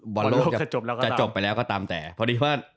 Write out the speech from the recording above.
บอลโลกจะจบแล้วก็จบจะจบไปแล้วก็ตามแต่พอดีว่า